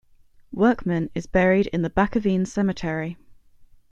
Werkman is buried in the Bakkeveen cemetery.